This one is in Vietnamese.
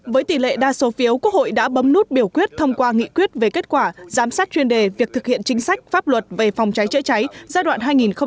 với tỷ lệ đa số phiếu quốc hội đã bấm nút biểu quyết thông qua nghị quyết về kết quả giám sát chuyên đề việc thực hiện chính sách pháp luật về phòng cháy chữa cháy giai đoạn hai nghìn một mươi bốn hai nghìn một mươi tám